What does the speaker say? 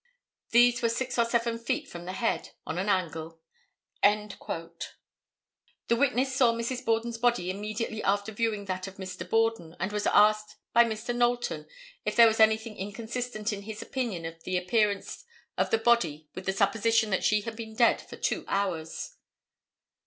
These were six or seven feet from the head, on an angle." The witness saw Mrs. Borden's body immediately after viewing that of Mr. Borden and was asked by Mr. Knowlton if there was anything inconsistent in his opinion in the appearance of the body with the supposition that she had been dead for two hours?